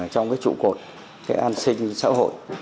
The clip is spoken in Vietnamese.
trong cái trụ cột cái an sinh xã hội